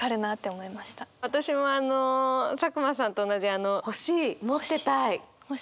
私も佐久間さんと同じ星持ってたい。